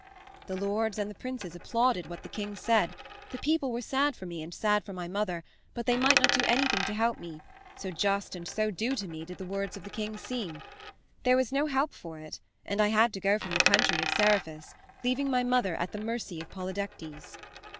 The lords and the princes applauded what the king said; the people were sad for me and sad for my mother, but they might not do anything to help me, so just and so due to me did the words of the king seem. There was no help for it, and I had to go from the country of Seriphus, leaving my mother at the mercy of Polydectes.